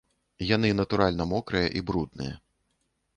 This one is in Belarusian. Яны, натуральна, мокрыя і брудныя.